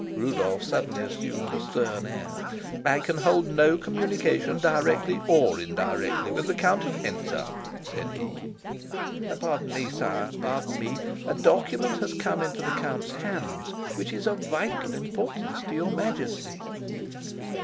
Rudolf suddenly assumed a stern air. "I can hold no communication, directly or indirectly, with the Count of Hentzau," said he. "Pardon me, sire, pardon me. A document has come into the count's hands which is of vital importance to your Majesty."